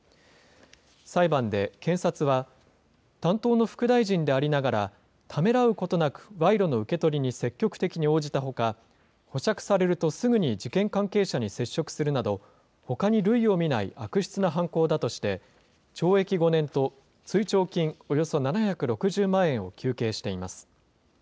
裁判で検察は、担当の副大臣でありながらためらうことなく、賄賂の受け取りに積極的に応じたほか、保釈されるとすぐに事件関係者に接触するなど、ほかに類を見ない悪質な犯行だとして、懲役５年と追徴金およそ７６０万円を求刑しています。